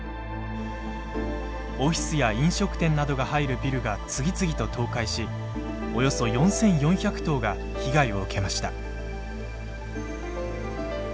オフィスや飲食店などが入るビルが次々と倒壊しおよそ４，４００棟が被害を受けました。